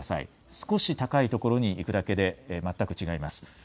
少し高い所に行くだけで全く違います。